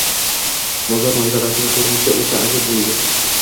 bozor manzarasining ko‘rinishi o‘ta ajib bo‘lib